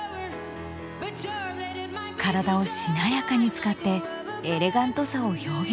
体をしなやかに使ってエレガントさを表現する。